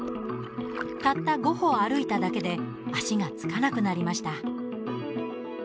たった５歩、歩いただけで足がつかなくなりました。